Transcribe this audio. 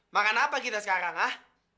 makan apa kita sekarang ah